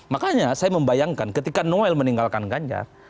makanya saya membayangkan ketika noel meninggalkan ganjar